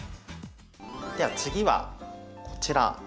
では次はこちら。